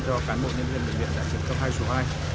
cho cán bộ nhân viên bệnh viện giã chiến cấp hai số hai